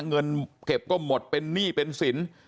เงินเก็บก็หมดเป็นหนี้เป็นสิน